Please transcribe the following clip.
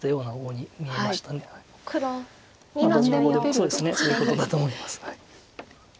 そういうことだと思います。